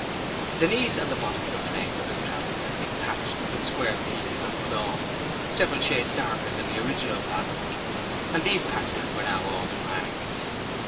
The knees and the bottoms of the legs of his trousers had been patched with square pieces of cloth, several shades darker than the original fabric, and these patches were now all in rags.